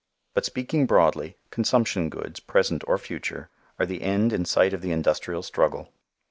But speaking broadly, consumption goods, present or future, are the end in sight of the industrial struggle.